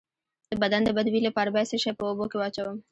د بدن د بد بوی لپاره باید څه شی په اوبو کې واچوم؟